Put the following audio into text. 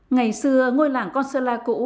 ngày xưa ngôi làng con sơ la cũ